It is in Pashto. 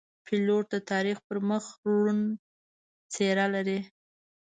پیلوټ د تاریخ پر مخ روڼ څېره لري.